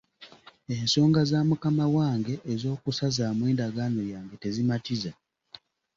Ensonga za mukama wange ez'okusazaamu endagaano yange tezimatiza.